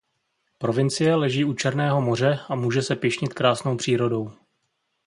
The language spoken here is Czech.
Provincie leží u Černého moře a může se pyšnit krásnou přírodou.